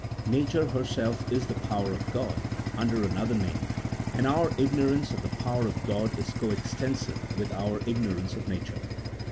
Nature herself is the power of God under another name, and our ignorance of the power of God is co extensive with our ignorance of Nature.